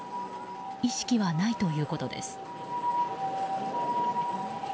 意識はないということです。